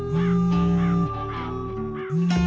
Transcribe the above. nanti kita lihat